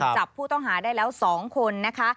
จับผู้ต้องหาได้แล้ว๒คนนะคะ